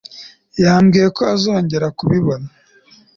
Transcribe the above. Yambwiye ko azongera kubibona